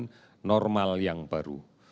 norma normal yang baru